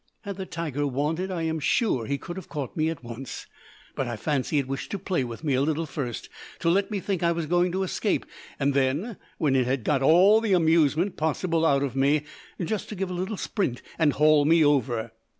Had the tiger wanted, I am sure he could have caught me at once, but I fancy it wished to play with me a little first to let me think I was going to escape, and then, when it had got all the amusement possible out of me, just to give a little sprint and haul me over.